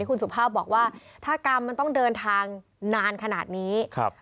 คุณสุภาพบอกว่าถ้ากรรมมันต้องเดินทางนานขนาดนี้ครับ